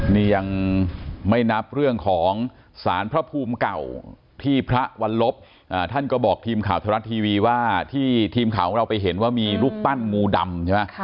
นี่ยังไม่นับเรื่องของสารพระภูมิเก่าที่พระวันลบท่านก็บอกทีมข่าวธรรมรัฐทีวีว่าที่ทีมข่าวของเราไปเห็นว่ามีรูปปั้นงูดำใช่ไหม